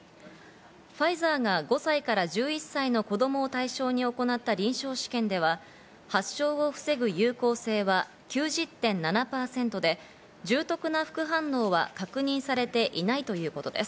ファイザーが５歳から１１歳の子供を対象に行った臨床試験では、発症を防ぐ有効性は９０．７％で、重篤な副反応は確認されていないということです。